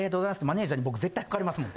マネジャーに僕絶対拭かれますもん。